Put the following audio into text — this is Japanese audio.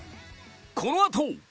このあと。